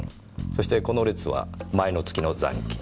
そしてこの列は前の月の残金。